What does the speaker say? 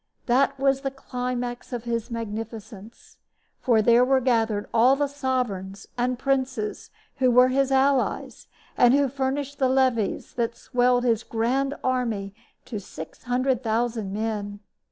This was the climax of his magnificence, for there were gathered all the sovereigns and princes who were his allies and who furnished the levies that swelled his Grand Army to six hundred thousand men.